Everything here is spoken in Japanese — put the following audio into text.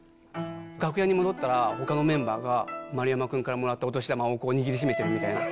楽屋に戻ったら、ほかのメンバーが、丸山君からもらったお年玉を握りしめてるみたいな。